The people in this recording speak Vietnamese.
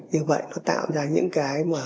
như vậy nó tạo ra những cái mà